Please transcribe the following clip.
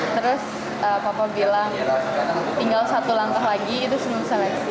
terus papa bilang tinggal satu langkah lagi itu selesai